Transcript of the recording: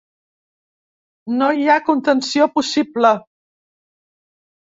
No hi ha contenció possible.